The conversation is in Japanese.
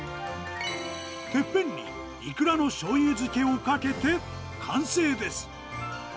てっぺんにイクラのしょうゆ漬けをかけて完成です。